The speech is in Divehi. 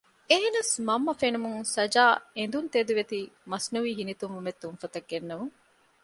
އެހެނަސް މަންމަ ފެނުމުން ސަޖާ އެނދުންތެދުވެތީ މަސްނުއީ ހިނިތުންވުމެއް ތުންފަތަށް ގެންނަމުން